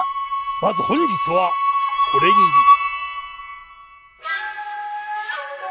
まず本日はこれぎり。